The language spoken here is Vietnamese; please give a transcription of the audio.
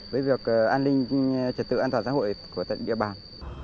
với việc an ninh trật tự an toàn xã hội của tận địa bàn